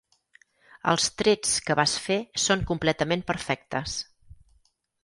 Els trets que vas fer són completament perfectes.